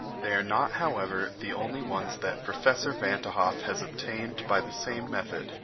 They are not, however, the only ones that Professor Van t' Hoff has obtained by the same method.